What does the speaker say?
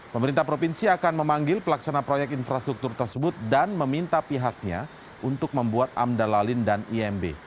pemerintah provinsi akan memanggil pelaksana proyek infrastruktur tersebut dan meminta pihaknya untuk membuat amdal lalin dan imb